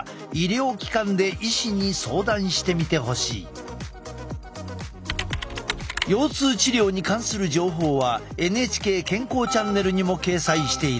このように腰痛治療に関する情報は「ＮＨＫ健康チャンネル」にも掲載している。